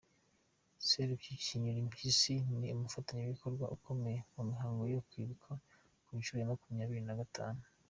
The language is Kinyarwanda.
Serupyipyinyurimpyisi ni umufatanyabikorwa ukomeye mu mihango yo kwibuka ku nshuro ya makumyabiri na gatanu.